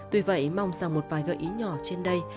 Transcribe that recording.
tuy vậy mong rằng một vài gợi ý nhỏ trên đây